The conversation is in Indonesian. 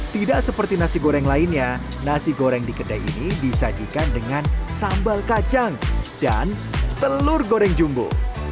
tidak seperti nasi goreng lainnya nasi goreng di kedai ini disajikan dengan sambal kacang dan telur goreng jumbo